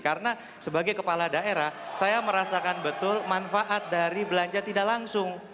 karena sebagai kepala daerah saya merasakan betul manfaat dari belanja tidak langsung